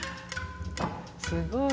すごい。